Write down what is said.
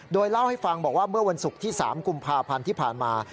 โดยเล่าให้ฟังบอกว่าเมื่อวันศุกร์ที่๓กุมภาพันธ์ที่ผ่านมา